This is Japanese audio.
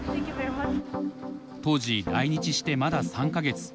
当時来日してまだ３か月。